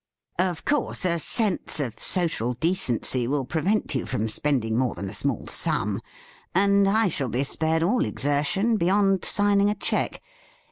Of course, a sense of social decency will prevent you from spending more than a small sum, and I shall be spared all exertion be yond signing a cheque.